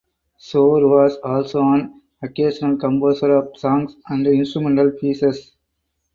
Shore was also an occasional composer of songs and instrumental pieces.